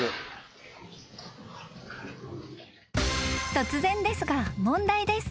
［突然ですが問題です］